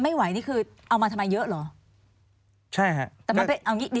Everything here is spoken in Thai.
ไม่ไหวนี่คือเอามาทำไมเยอะหรอ